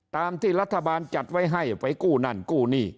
ตามที่รัฐบาลจัดไว้ให้ไปกู้นั่นกู้หนี้